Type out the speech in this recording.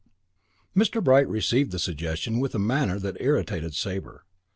X Mr. Bright received the suggestion with a manner that irritated Sabre.